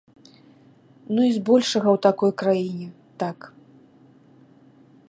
Ну і збольшага ў такой краіне, так.